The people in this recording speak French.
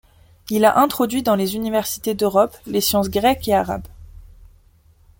Il a introduit dans les universités d’Europe les sciences grecques et arabes.